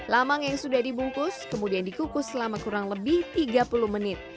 lamang yang sudah dibungkus kemudian dikukus selama kurang lebih tiga puluh menit